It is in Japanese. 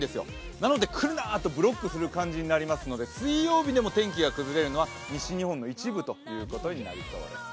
なので来るなってブロックする感じになりますので、水曜日でも天気が崩れるのは西日本の一部ということになりそうです。